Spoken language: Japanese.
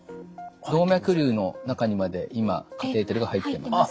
動脈瘤の中にまで今カテーテルが入ってます。